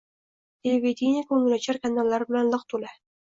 Televidenie ko`ngilochar kanallar bilan liq to`la